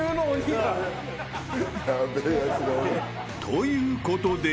［ということで］